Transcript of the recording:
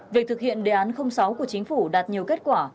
việc thực hiện đề án sáu của chính phủ đạt nhiều kết quả